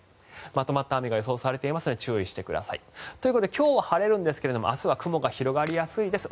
まとまった雨が予想されていますので注意してください。ということで今日は晴れるんですが明日は雲が広がりやすいです。